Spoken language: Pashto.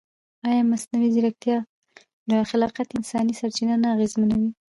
ایا مصنوعي ځیرکتیا د خلاقیت انساني سرچینه نه اغېزمنوي؟